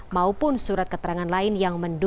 maupun surat keterangan negatif covid sembilan belas